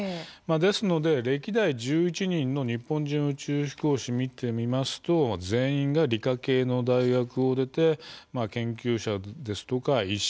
ですので歴代１１人の日本人宇宙飛行士を見てみますと全員が理科系の大学を出て研究者ですとか医師